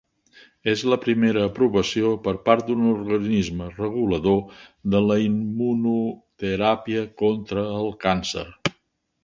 És la primera aprovació per part d'un organisme regulador de la immunoteràpia contra el càncer.